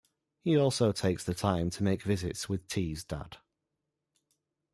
He also takes the time to make visits with T's dad.